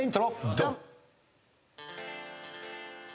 ドン！